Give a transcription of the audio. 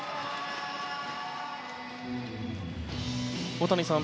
小谷さん